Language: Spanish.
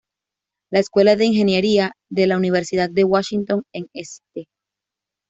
La escuela de ingeniería de la Universidad de Washington en St.